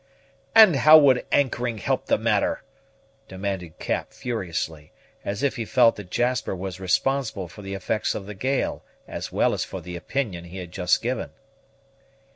"And how would anchoring help the matter?" demanded Cap furiously, as if he felt that Jasper was responsible for the effects of the gale, as well as for the opinion he had just given.